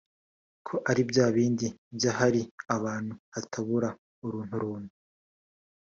ko ari bya bindi by’ahari abantu hatabura urunturuntu